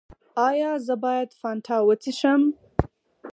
ایا زه باید فانټا وڅښم؟